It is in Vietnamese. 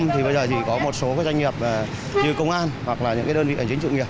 thì bây giờ chỉ có một số doanh nghiệp như công an hoặc là những đơn vị ảnh chính trị nghiệp